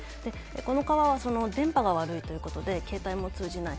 この川は電波が悪いということで、携帯も通じない。